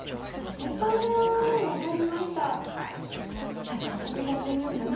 じゃあ早速やってみようかな。